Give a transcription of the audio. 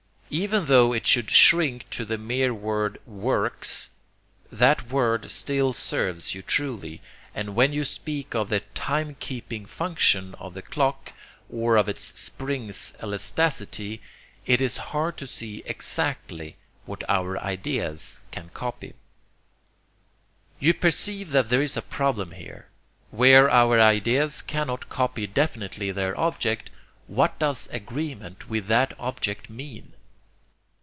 Even tho it should shrink to the mere word 'works,' that word still serves you truly; and when you speak of the 'time keeping function' of the clock, or of its spring's 'elasticity,' it is hard to see exactly what your ideas can copy. You perceive that there is a problem here. Where our ideas cannot copy definitely their object, what does agreement with that object mean?